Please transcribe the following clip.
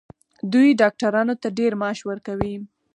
دوی ډاکټرانو ته ډیر معاش ورکوي.